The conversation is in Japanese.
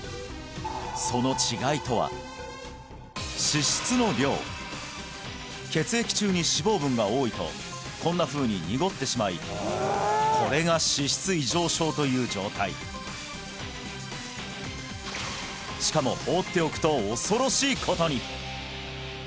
その脂質の量血液中に脂肪分が多いとこんなふうに濁ってしまいこれが脂質異常症という状態しかも放っておくと恐ろしいことに！